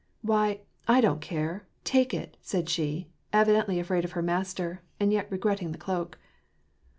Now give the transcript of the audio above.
" Why, I don't care ; take it," said she, evidently afraid of her master, and yet regretting the cloak.